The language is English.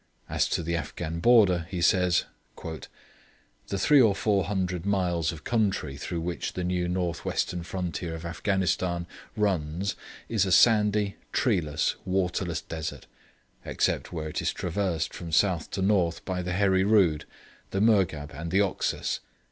As to the Afghan border he says: 'The three or four hundred miles of country through which the new north western frontier of Afghanistan runs is a sandy, treeless, waterless desert, except where it is traversed from south to north by the Heri Rood, the Murghab and the Oxus.